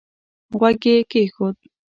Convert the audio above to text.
غوږ يې کېښود.